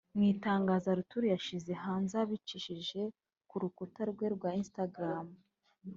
Mu itangazo Arthur yashyize hanze abicishije ku rukuta rwe rwa Instagram